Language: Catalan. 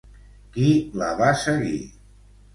Qui la va seguir?